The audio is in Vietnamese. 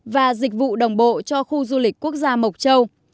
và dịch vụ đồng bộ cho khu du lịch quốc gia mộc châu